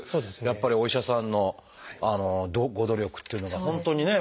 やっぱりお医者さんのご努力っていうのが本当にね